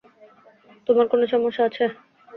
তোমার কোনো সমস্যা আছে?